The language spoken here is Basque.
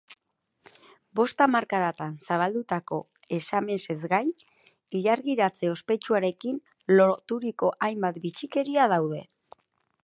Bost hamarkadatan zabaldutako esamesez gain, ilargiratze ospetsuarekin loturiko hainbat bitxikeria daude.